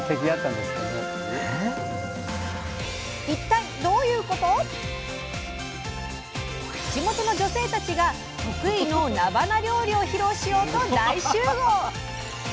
一体どういうこと⁉地元の女性たちが得意のなばな料理を披露しようと大集合！